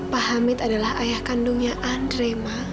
pak hamid adalah ayah kandungnya andre ma